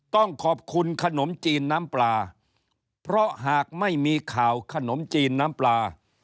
ต้องขอบคุณขนมจีนน้ำปลาเพราะหากไม่มีข่าวขนมจีนน้ำปลา